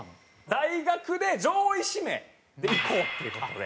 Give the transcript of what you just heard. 大学で上位指名で行こうっていう事で。